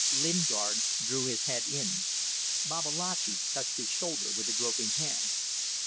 Lingard drew his head in. Babalatchi touched his shoulder with a groping hand.